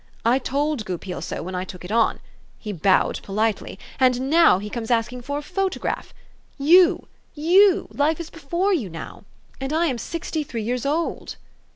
I told Goupil so when I took it on. He bowed politely. And now he comes ask ing for a photograph ! You you ! life is before you now. And I am sixty three years old."